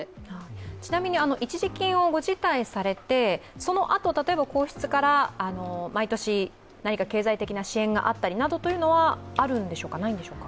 ちなみに一時金をご辞退されてそのあと皇室から毎年何か経済的な支援があったりというのはあるのでしょうか、ないのでしょうか。